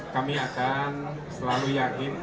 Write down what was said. kami akan selalu yakin